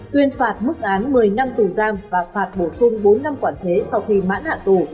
tuyên phạt mức án một mươi năm tù giam và phạt bổ sung bốn năm quản chế sau khi mãn hạ tù